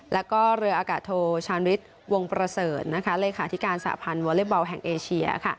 แล้วก็เรืออากาศโทชานฤทธิ์วงประเสริฐเลขาธิการสาพันธ์วอเล็กบอลแห่งเอเชีย